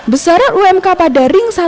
besarnya umk pada ringkasan